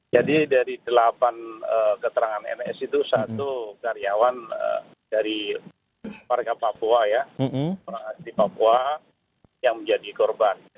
jadi dari delapan keterangan ns itu satu karyawan dari warga papua ya orang asli papua yang menjadi korban